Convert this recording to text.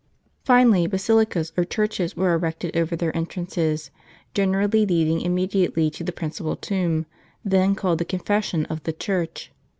Finally, basilicas or churches were erected over their entrances, generally leading immediately to the principal tomb, then called the confession of the church.